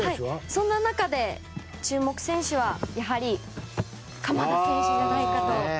そんな中で注目選手はやはり鎌田選手じゃないかと。